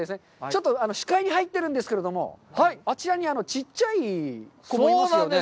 ちょっと視界に入ってるんですけど、あちらにちっちゃい子もいますよね。